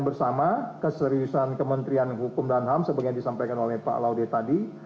bersama keseriusan kementerian hukum dan ham sebagai yang disampaikan oleh pak laude tadi